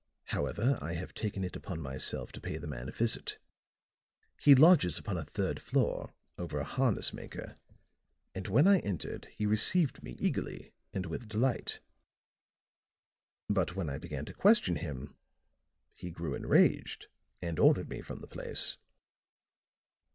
However, I have taken it upon myself to pay the man a visit. He lodges upon a third floor, over a harness maker; and when I entered he received me eagerly and with delight. But when I began to question him he grew enraged and ordered me from the place."